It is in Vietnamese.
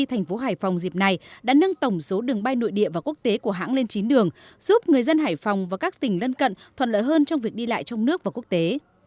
thành phố hải phòng dịp này đã nâng tổng số đường bay nội địa và quốc tế của hãng lên chín đường giúp người dân hải phòng và các tỉnh lân cận thuận lợi hơn trong việc đi lại trong nước và quốc tế